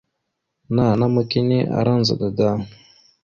Nanama kini ara ndzəɗa da.